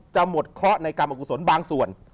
หมดเคราะห์ในกรรมกุศลบางส่วน